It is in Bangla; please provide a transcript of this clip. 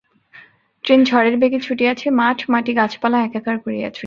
ট্রেন ঝড়ের বেগে ছুটিয়াছে-মাঠ, মাটি, গাছপালা একাকার করিয়া ছুটিয়াছে।